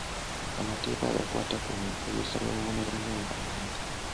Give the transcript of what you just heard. Amateeka agakwata ku nkozesa y’obubonero bw’empandiika.